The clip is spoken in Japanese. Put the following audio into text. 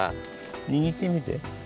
にぎってみて。